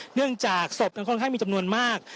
เนื่องจากศพนั้นค่อนข้างมีจำนวนมาก